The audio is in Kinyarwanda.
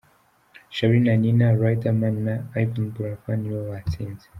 Charly na Nina, Riderman na Yvan Buravan nibo batsinze .